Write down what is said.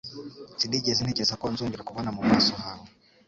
Sinigeze ntekereza ko nzongera kubona mu maso hawe.